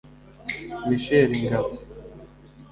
Michel Ngabo